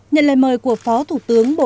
nhận lời mời của phó thủ tướng bộ trưởng